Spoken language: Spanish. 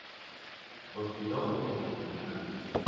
Postuló como republicano.